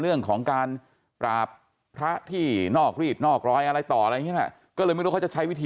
เรื่องของการปราบพระที่นอกรีดนอกรอยอะไรต่ออะไรอย่างนี้นะก็เลยไม่รู้เขาจะใช้วิธี